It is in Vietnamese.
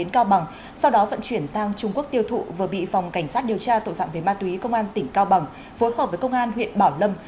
cảnh sát điều tra tội phạm về ma túy công an tỉnh cao bằng phối hợp với công an huyện bảo lâm